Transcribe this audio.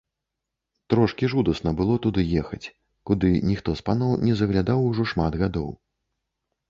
Трошкі жудасна было туды ехаць, куды ніхто з паноў не заглядаў ужо шмат гадоў.